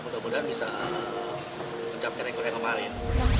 mudah mudahan bisa mencapai rekor yang kemarin